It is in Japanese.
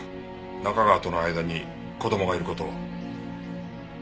中川との間に子供がいる事を。